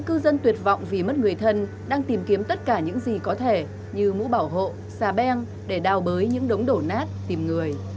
cư dân tuyệt vọng vì mất người thân đang tìm kiếm tất cả những gì có thể như mũ bảo hộ xà beng để đào bới những đống đổ nát tìm người